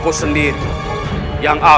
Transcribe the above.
aku sendiri yang akan menemui dia